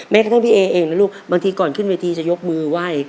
แม้ถึงพี่แอเองบางที่ก่อนขึ้นวันน่าจะยกมือไว้